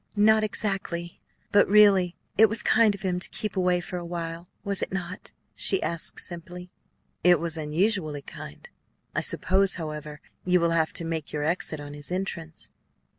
"Not exactly. But really it was kind of him to keep away for a while, was it not?" she asked simply. "It was unusually kind. I suppose, however, you will have to make your exit on his entrance."